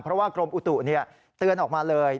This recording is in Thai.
เพราะว่ากรมอุตุเตือนออกมาเลย